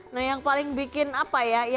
nah yang paling bikin apa ya